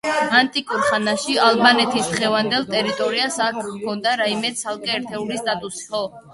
ანტიკურ ხანაში ალბანეთის დღევანდელ ტერიტორიას აქ ჰქონდა რაიმე ცალკე ერთეულის სტატუსი.